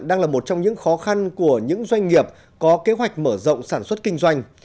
đang là một trong những khó khăn của những doanh nghiệp có kế hoạch mở rộng sản xuất kinh doanh